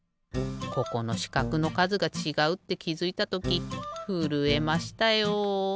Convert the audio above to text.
ここのしかくのかずがちがうってきづいたときふるえましたよ。